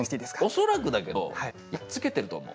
恐らくだけどやっつけてると思う。